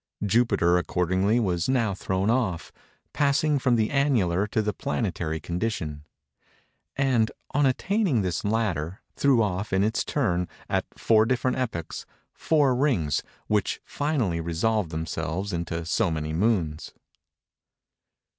Jupiter, accordingly, was now thrown off; passing from the annular to the planetary condition; and, on attaining this latter, threw off in its turn, at four different epochs, four rings, which finally resolved themselves into so many moons.